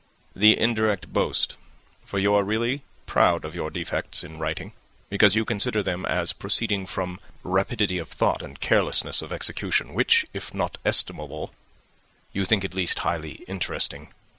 "The indirect boast; for you are really proud of your defects in writing, because you consider them as proceeding from a rapidity of thought and carelessness of execution, which, if not estimable, you think at least highly interesting.